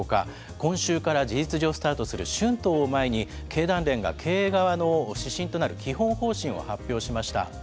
今週から事実上、スタートする春闘を前に、経団連が経営側の指針となる基本方針を発表しました。